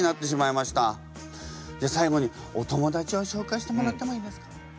じゃ最後にお友達を紹介してもらってもいいですか？